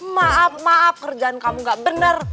maaf maaf kerjaan kamu gak benar